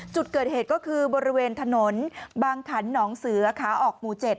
จุดเกิดเหตุก็คือบริเวณถนนบางขันหนองเสือขาออกหมู่๗